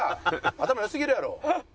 頭良すぎるやろ。